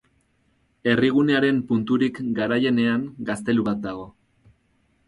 Herrigunearen punturik garaienean, gaztelu bat dago.